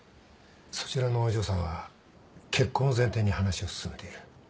そちらのお嬢さんは結婚を前提に話を進めている。